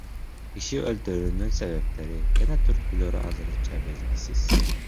Киши өлтүрүүнүн себептери жана түрткүлөрү азырынча белгисиз.